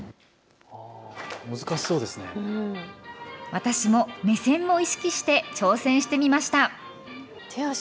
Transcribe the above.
私も目線を意識して挑戦してみました。